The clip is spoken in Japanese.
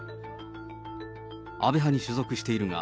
安倍派に所属しているが、